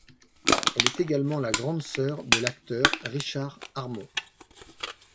Elle est également la grande sœur de l'acteur Richard Harmon.